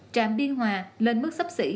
trạm biên hòa lên mức sấp xỉ